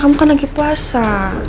kamu kan lagi puasa